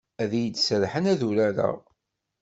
Ad iyi-d-serḥen ad urareɣ.